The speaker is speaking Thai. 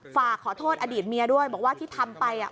ฝากขอโทษอดีตเมียด้วยบอกว่าที่ทำไป